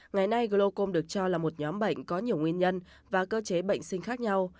ngày nay glocom được cho là một nhóm bệnh có nhiều nguyên nhân và cơ chế bệnh sinh khác nhau